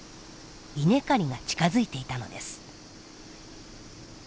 稲刈りが近づいていたのです。